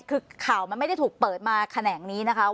คือข่าวมันไม่ได้ถูกเปิดมาแขนงนี้นะคะ